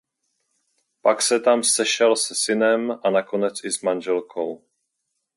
Pak se tam sešel se synem a nakonec i s manželkou.